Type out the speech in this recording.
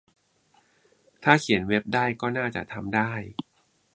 ถ้าเขียนเว็บได้ก็น่าจะทำได้